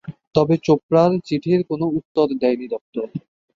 তবে চোপড়ার চিঠির কোন উত্তর দেয়নি দপ্তর।